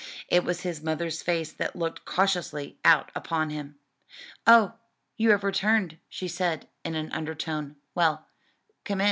It was his mother's face that looked cautiously out upon him. "Oh, you have returned," she said in an undertone; "well, come in.